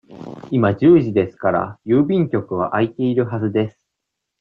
今十時ですから、郵便局は開いているはずです。